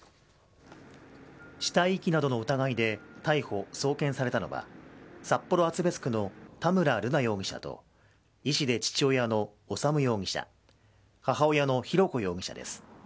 死体遺棄などの疑いで逮捕、送検されたのは札幌厚別区の田村瑠奈容疑者と医師で父親の修容疑者母親の浩子容疑者です。